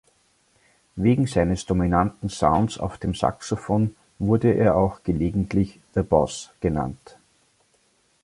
Wegen seines dominanten Sounds auf dem Saxofon wurde er auch gelegentlich "The Boss" genannt.